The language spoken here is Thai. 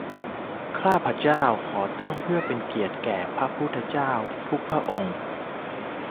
ข้าพเจ้าขอตั้งเพื่อเป็นเกียรติแก่พระพุทธเจ้าทุกพระองค์